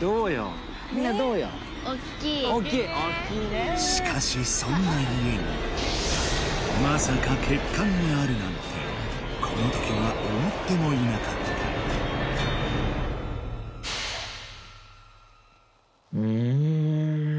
どうよおっきいおっきいおっきいねしかしそんな家にまさか欠陥があるなんてこの時は思ってもいなかったうーん